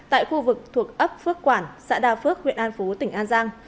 tại khu vực thuộc ấp phước quản xã đa phước huyện an phú tỉnh an giang